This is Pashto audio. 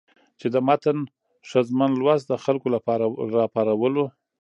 چې د متن ښځمن لوست د خلکو له راپارولو